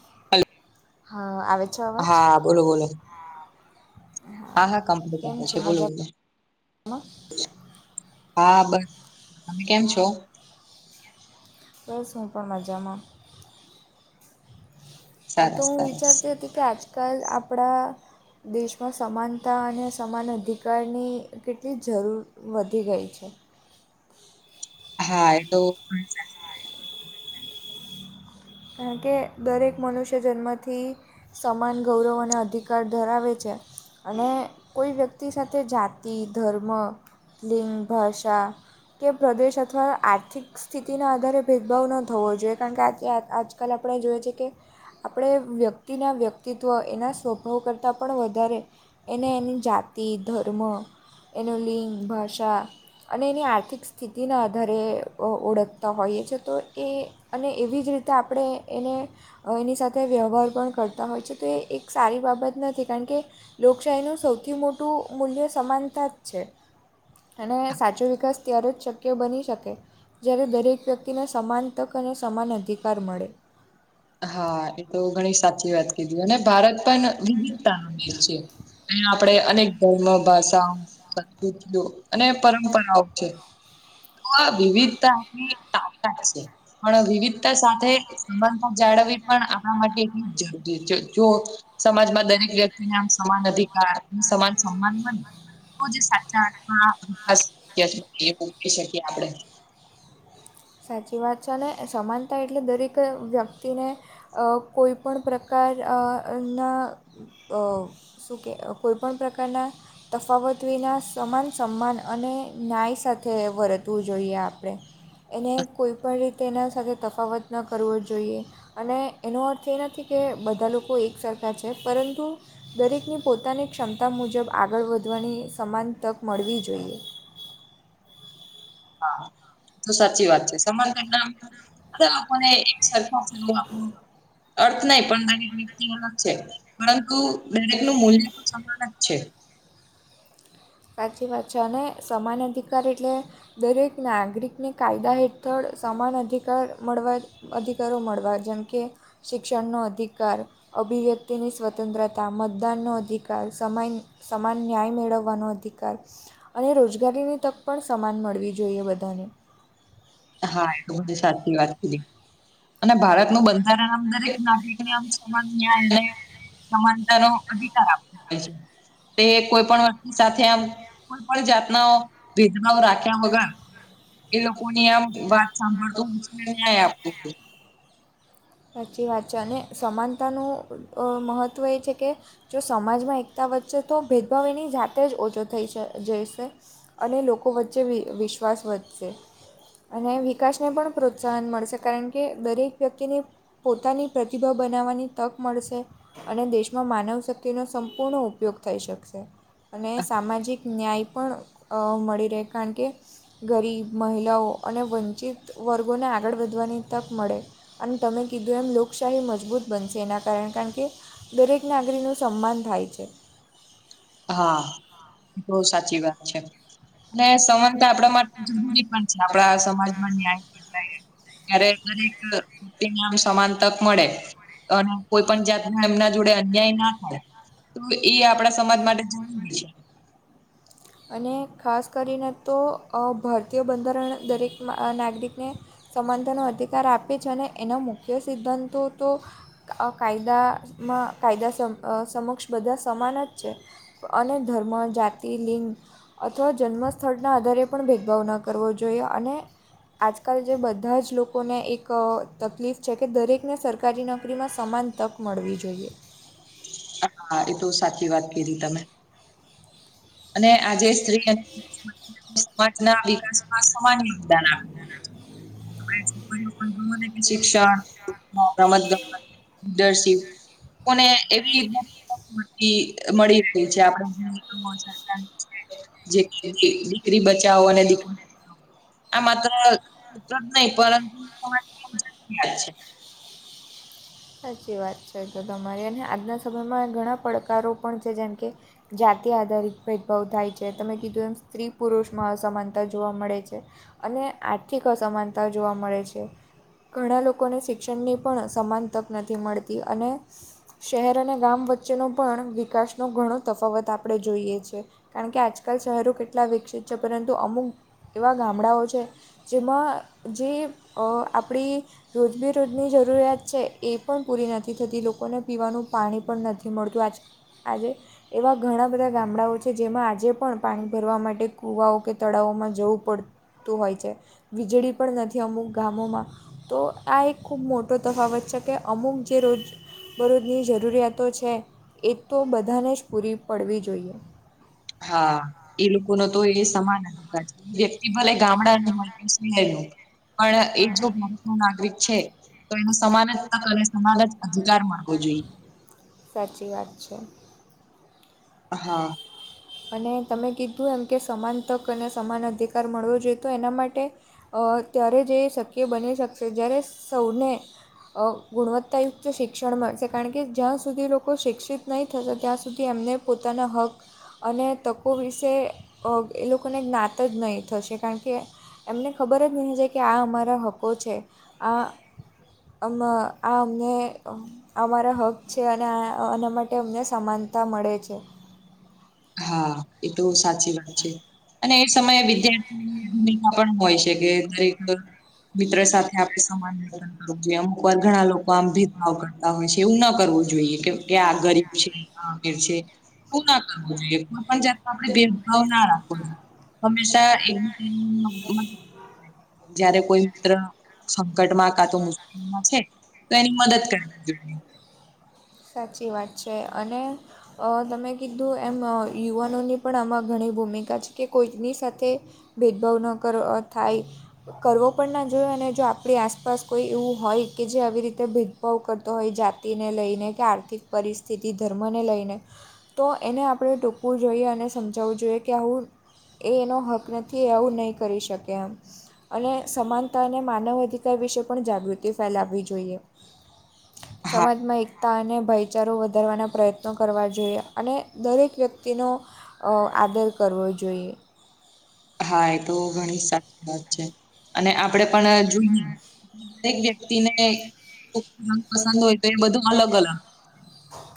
[unintelligible] હ આવે. છે અવાજ હા બોલો બોલો હા હા કેમ છો મજામાં [unintelligible] હા બસ તમે કેમ છો. બસ હું પણ મજામાં. આ તો સરસ હું સરસ વિચારતી હતી કે આજકાલ આપણા દેશમાં સમાનતા અને સમાન અધિકારની કેટલી જરૂર વધી ગઈ છે. હા એ તો [unintelligible] કારણ કે દરેક મનુષ્ય જન્મથી સમાન ગૌરવ અને અધિકાર ધરાવે છે અને કોઈ વ્યક્તિ સાથે જાતિ ધર્મ લિંગ ભાષા કે પ્રદેશ અથવા આર્થિક સ્થિતિના આધારે ભેદભાવ ન થવો જોઈએ કારણ કે આજકાલ આપણે જોઈએ છે કે આપણે વ્યક્તિના વ્યક્તિત્વ એના સ્વભાવ કરતાં પણ વધારે એને એની જાતિ ધર્મ એનું લિંગ ભાષા અને એની આર્થિક સ્થિતિના આધારે ઓળખતા હોઈએ છીએ તો એ અને એવી જ રીતે આપણે એને એની સાથે વ્યવહાર પણ કરતા હોય છે તો એ એક સારી બાબત નથી કારણ કે લોકશાહીનું સૌથી મોટું મૂલ્ય સમાનતા જ છે અને સાચો વિકાસ ત્યારે જ શક્ય બની શકે જ્યારે દરેક વ્યક્તિને સમાન તક અને સમાન અધિકાર મળે હા એ તો ઘણી સાચી વાત કીધી અને ભારત પણ વિવિધતાનો દેશ છે અહીંયા આપડે અને ધર્મ ભાષા સંસ્કૃતિઓ અને પરંપરાઓ છે આ વિવિધતાની તાકાત છે પણ વિવિધતા સાથે સમાનતા જાળવવી પણ આપણા માટે એટલી જ જરૂરી જો સમાજમાં દરેક વ્યક્તિને આમ સમાન અધિકાર અને સમાન સમાન બને [unintelligible] શકીએ આપડે સાચી વાત છે અને સમાનતા એટલે દરેક વ્યક્તિને અ કોઈ પણ પ્રકાર અ ન અ શું કે કોઈપણ પ્રકારના તફાવત વિના સમાન સન્માન અને ન્યાય સાથે વર્તવું જોઈએ આપડે એને કોઈ પણ રીતે એના સાથે તફાવત ન કરવો જોઈએ અને એનો અર્થ એ નથી કે બધા લોકો એક સરખા છે પરંતુ દરેકની પોતાની ક્ષમતા મુજબ આગળ વધવાની સમાન તક મળવી જોઈએ. હા તો સાચી વાત છે સમાનતા ના આમ તો આપણને એક સરખા થવ આપણો અર્થ નહી પણ દરેક વ્યક્તિ મા અલગ છે. પરંતુ દરેક નું મૂલ્ય તો સમાન જ છે. સાચી વાત છે અને સમાન અધિકાર એટલે દરેક નાગરિકને કાયદા હેઠળ સમાન અધિકાર મળવા અધિકારો મળવા જેમ કે શિક્ષણનો અધિકાર અભિવ્યક્તિની સ્વતંત્રતા મતદાનનો અધિકાર સમય સમાન ન્યાય મેળવવાનો ધિકાર અને રોજગારીની તક પણ સમાન મળવી જોઈએ બધાને હા એ તો સાચી વાત કીધી અને ભારતનું બંધારણ આમ દરેક નાગરિકને આમ સમાન ન્યાય અને સમાનતા નો અધિકાર આપવો પડે છે તે કોઈ પણ વ્યક્તિ સાથે આમ કોઈ પણ જાતનો ભેદભાવ રાખ્યા વગર એ લોકો ની આમ વાત સાંભળતો [inaudible] સાચી વાત છે અને સમાનતાનું અ મહત્ત્વ એ છે કે જો સમાજમાં એકતા વધસે તો ભેદભાવ એની જાતે જ ઓછો થઈ જઈશે અને લોકો વચ્ચે વિ વિશ્વાસ વધશે. અને વિકાસને પણ પ્રોત્સાહન મળશે કારણ કે દરેક વ્યક્તિની પોતાની પ્રતિભા બનાવવાની તક મળશે અને દેશમાં માનવ શક્તિનો સંપૂર્ણ ઉપયોગ થઈ શકશે અને છે. સામાજિક ન્યાય પણ અ મળી રહે કારણ કે ગરીબ મહિલાઓ અને વંચિત વર્ગોને આગળ વધવાની તક મળે. અને તમે કીધું એમ લોકશાહી મજબૂત બનશે એના કારણે કારણ કે દરેક નાગરીનું સન્માન થાય છે. હા બઉ સાચી વાત છે. ને સમાનતા આપડા માટે જરૂરી પણ છે. આપણા સમાજમાં ન્યાય [inaudible] ત્યારે દરેક વ્યક્તિને આમ સમાન તક મળે. અને કોઈ પણ જાત ના એમના જોડે અન્યાય ના થાય તો એ આપણા સમાજ મા ટે જરુરી છે અને ખાસ કરીને તો અહ ભરતીય બંધારણ દરેકમાં અહ નાગરિકને સમાનતાનો અધિકાર આપે છે. અને એનો મુખ્ય સિદ્ધાંતો તો અહ કાયદામાં કાયદા સમ અહ સમક્ષ બધા સમાન જ છે. અને ધર્મ, જાતિ, લિંગ અથવા જન્મસ્થળના આધારે પણ ભેદભાવ ન કરવો જોઈએ. અને આજકલ જે બધા જ લોકોને એક તકલીફ છે, કે દરેકને સરકારી નોકરીમાં સમાન તક મળવી જોઈએ. હા એ તો સાચી વાત કીધી તમે. અને આજે સ્ત્રી [inaudible] સમાજ ના વિકાસમાં સમાન યોગદાન આપ અને છોકરીઓ પણ [inaudible] શિક્ષણ, [inaudible] રમત-ગમત, લીડરશીપ લોકો ને એવી [inaudible] મળી રહી છે, આપણે [inaudible] [inaudible] દીકરી બચાવો અને દીક આ માત્ર [unintelligible] જ નહીં, પરંતુ [inaudible] જરૂરિયાત છે. સાચી વાત છે એ તો તમારી. અને આજના સમયમાં ઘણા પડકારો પણ છે, જેમ કે જાતિ આધારિત ભેદભાવ થાય છે. તમે કીધું એમ સ્ત્રી-પુરુષમાં અસમાનતા જોવા મળે છે. અને આર્થિક અસમાનતા જોવા મળે છે. ઘણા લોકોને શિક્ષણની પણ સમાન તક નથી મળતી. અને શહેર અને ગામ વચ્ચેનો પણ વિકાસનો ઘણો તફાવત આપણે જોઈએ છે. કારણ કે આજકાલ શહેરો કેટલા વિકસિત છે, પરંતુ અમુક એવા ગામડાઓ છે જેમાં જે અહ આપણી રોજબેરોજની જરૂરિયાત છે એ પણ પૂરી નથી થતી. લોકોને પીવાનું પાણી પણ નથી મળતું. આજ આજે એવા ઘણા બધા ગામડાઓ છે, જેમાં આજે પણ પાણી ભરવા માટે કુવાઓ કે તળાવમાં જવું પડ તું હોય છે. વીજળી પણ નથી અમુક ગામોમાં. તો આ એક ખૂબ મોટો તફાવત છે, કે અમુક જે રોજ બરોજની જરૂરિયાતો છે, એ તો બધાને જ પૂરી પડવી જોઈએ. હા. ઈ લોકો નો તો એ સમાન અધિકાર છે. વ્યક્તિ ભલે ગામડાનો હોય કે શહેરનો. પણ એ જો હા [unintelligible] નાગરિક છે, તો એનો સમાન જ તક અને સમાન જ અધિકાર મળવો જોઈએ. સાચી વાત છે. હા. અને તમે કીધું એમ, કે સમાન તક અને સમાન અધિકાર મળવો જોઈએ. તો એના માટે અહ ત્યારે જ એ શક્ય બની શકશે, જ્યારે સૌને અહ ગુણવત્તાયુક્ત શિક્ષણ મળશે. કારણ કે, જ્યાં સુધી એ લોકો શિક્ષિત નહીં થશે, ત્યાં સુધી એમને પોતાના હક અને તકો વિશે અહ એ લોકોને જ્ઞાત જ નહીં થશે. કારણ કે એમને ખબર જ નહીં છે, કે આ અમારા હકો છે. આ અમ આ અમને અમારા હક છે. અને આ આના માટે અમને સમાનતા મળે છે. હા, એ તો સાચી વાત છે. અને એ સમયે વિદ્યાર્થીની ભૂમિકા પણ હોય છે. કે દરેક મિત્ર સાથે આપણે સમાન [inaudible] [unintelligible] અમુકવાર ઘણા લોકો આમ ભેદભાવ કરતા હોય છે. એવું ન કરવું જોઈએ, કે-કે આ ગરીબ છે. [unintelligible] [unintelligible] કોઈ પણ જાતમાં આપણે ભેદભાવ ના રાખવો જોઈએ. હંમેશા [unintelligible] [unintelligible] જયારે કોઈ મિત્ર સંકટમાં કા તો મુશ્કેલીમાં છે. તો એની મદદ કરવી જોઈએ. સાચી વાત છે અને. અ તમે કીધું એમ યુવાનોની પણ આમાં ઘણી ભૂમિકા છે કે કોઈક ની સાથે. ભેદભાવ ન કરો. થાય. કરવો પણ ના જો ઈ એ અને જો આપણી આસપાસ કોઈ એવું હોય કે જે આવી રીતે. ભેદભાવ કરતો હોય જાતિને લઈને કે આર્થિક પરિસ્થિતિ ધર્મને લઈને. તો એને આપણે ટોકવું જોઈએ અને સમજાવવું જોઈએ કે આવું. એ એનો હક નથી. આવું નઈ કરી શકે એમ. અને સમાનતા અને માનવ અધિકાર વિશે પણ જાગૃતિ ફેલાવવી જોઈએ. હા સમાજમાં એક અને ભાઈચારો વધારવાના પ્રયત્નો કરવા જોઈએ અને દરેક વ્યક્તિનો. અ આદર કરવો જોઈએ. હા એ તો, ઘણી સાચી વાત છે. અને આપણેે પણ જોઈએ. દરેક વ્યક્તિ ને [unintelligible] પસંદ હોય તો એ બધું અલગ અલગ.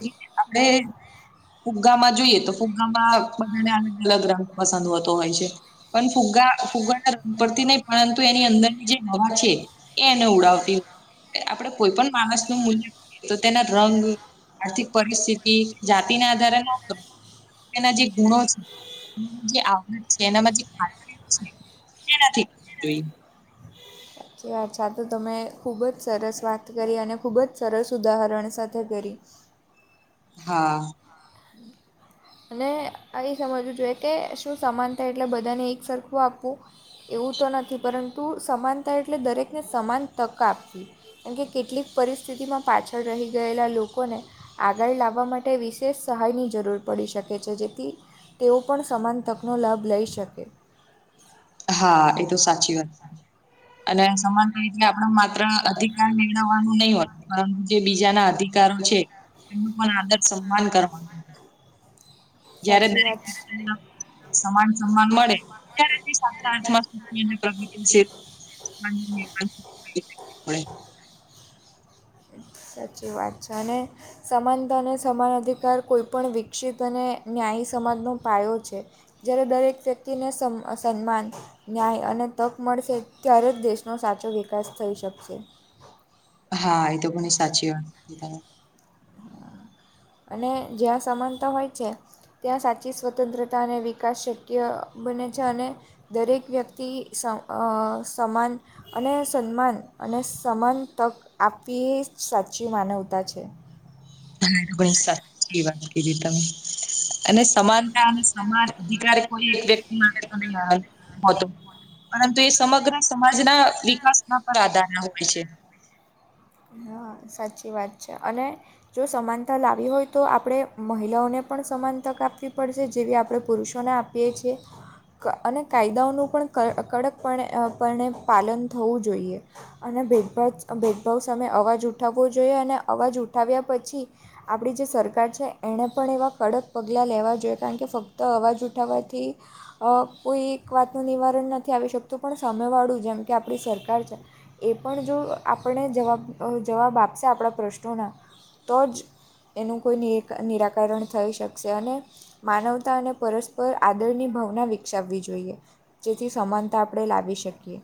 [unintelligible] આપડે. ફુગ્ગામાં જોઈએ, તો ફુગ્ગામાં બધાને અલગ અલગ રંગ પસંદ હોતો હોય છે. પણ ફુગા ફુગા પરથી નહી, પરંતુ એની અંદરની જે હવા છે. એ એને ઉડાવતીય. આપડે કોઈ પણ માણસ નું મૂલ્ય તો તેના રંગ આર્થિક પરિસ્થિતિ જાતીના આધારે ન. એના જે ગુણો છે એ જે [unintelligible] આ આવડત છે એનામાંથી. હા તી જ છે એનાથી જોઈ [unintelligible] [unintelligible] તો તમે ખૂબ જ સરસ વાત કરી અને ખૂબ જ સરસ ઉદાહરણ સાથે કર્યું હા. અને અઇ સમજવું જોઈએ કે શું સમાનતા એટલે બધાને એક સરખું આપવું. એવું તો નથી. પરંતુ સમાનતા એટલે દરેકને સમાન તક આપવી. કેમ કે કેટલીક પરિસ્થિતિમાં પાછળ રહી ગયેલા લોકોને. આગળ લાવવા માટે વિશેષ સહાયની જરૂર. પડી શકે છે. જેથી તેઓ પણ સમાન તકનો લાભ લઈ શકે. હા, એ તો સાચી વાત. [inaudible] અને સમાનતા એટલે આપડે માત્ર અધિકાર મેળવવાનું નઇ હોતું, પરંતુ જે બીજાના અધિકારો છે. એનું પણ આદર સન્માન કરવા જયારે સાચી દરેક વાત છે [unintelligible] સમાન સમ્માન મળે ત્યારે તે સાચા અર્થમાં. એને ક્રમીક છે [inaudible] સાચી વાત છે. અને. સમાનતા અને સમાન અધિકાર કોઈપણ વિકસિત અને ન્યાયી સમાજનો પાયો છે. જ્યારે દરેક વ્યક્તિને સમ સન્માન. ન્યાય અને તક મળશે. ત્યારે જ દેશનો સાચો વિકાસ થઈ શકશે. હા એ તો ઘણી સાચી વાત. અને જ્યાં સમાનતા હોય છે. ત્યાં સાચી સ્વતંત્રતા અને વિકાસ શક્ય બને છે અને. દરેક વ્યક્તિ સવ અ સમાન. અને સન્માન અને સમાન તક આપવી એ જ સાચી માનવતા છે. હા ઘણી સાચી વાત કીદી તમે. અને સમાનતા અને સમાન અધિકારે કોઈ એક વ્યક્તિ માટે તો નઇ આ હોતો પરંતુ એ સમગ્ર સમાજના વિકાસમાં પર આધાર રાખે છે. હા સાચી વાત છે અને જો સમાનતા લાવી હોય તો આપડે મહિલાઓને પણ સમાન તક આપવી પડશે જેવી આપડે પુરુષોને આપ પીએ છીએ. ક અને કાયદાઓનું પણ ક કડકપણે અ પણે પાલન થવું જોઈએ. અને ભેદભાવ ભેદભાવ સામે અવાજ ઉઠાવવો જોઈએ અને અવાજ ઉઠાવ્યા પછી આપડી જે સરકાર છે એણે પણ એવા કડક પગલાં લેવાં જોઈએ કારણ કે ફક્ત અવાજ ઉઠાવાથી અ કોઈ એક વાતનું નિવારણ નથી આવી શકતું પણ સામે વાળું જેમ કે આપડી સરકાર છે એ પણ જો આપડે જવાબ જવાબ આપશે આપડા પ્રશ્નોનોના તો જ એનું કોઈ નિ નિરાકરણ થઈ શકશે અને માનવતા અને પરસ્પર આદરની ભાવના વિકસાવવી જોઈએ. જેથી સમાનતા આપડે લાવી શકીએ.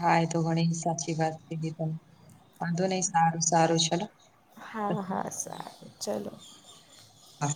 હા એ તો ઘણી સાચી વાત કીધી તમે વાંધો નઈ સારું સારું ચલો હા હા સારું ચલો આ